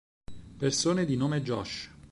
Persone di nome Josh